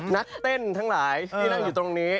นักเต้นทั้งหลายที่นั่งอยู่ตรงนี้